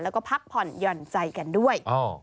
แล้วก็พักผ่อนหย่อนใจกันด้วย